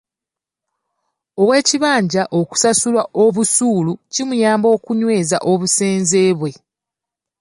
Ow'ekibanja okusasula obusuulu kimuyamba okunyweza obusenze bwe.